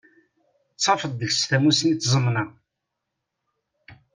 Dd tafeḍ deg-s tamusni d tzemna.